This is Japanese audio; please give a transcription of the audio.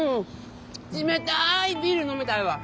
冷たいビール飲みたいわ。